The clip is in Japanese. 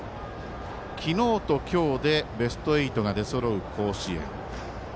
昨日と今日でベスト８がそろう甲子園。